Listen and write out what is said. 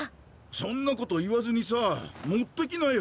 そんなこと言わずにさ持ってきなよ！